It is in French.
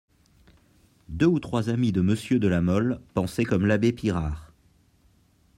Deux ou trois amis de Monsieur de La Mole pensaient comme l'abbé Pirard.